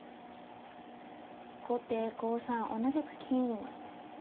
後手５三同じく金。